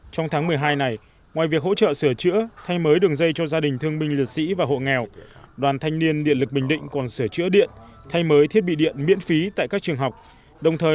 đồng thời tổ chức hỗ trợ sửa chữa thay mới đường dây cho gia đình thương binh lịch sĩ và hộ nghèo